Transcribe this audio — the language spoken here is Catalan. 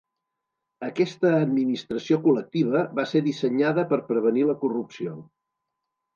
Aquesta administració col·lectiva va ser dissenyada per prevenir la corrupció.